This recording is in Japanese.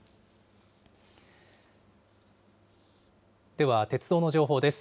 では、鉄道の情報です。